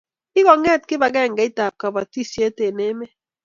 Kikongeet kibagengeitab kobotisiet eng emet